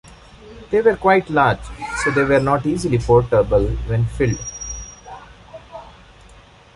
They were quite large, so they were not easily portable when filled.